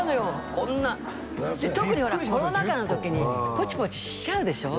こんなで特にほらコロナ禍の時にポチポチしちゃうでしょ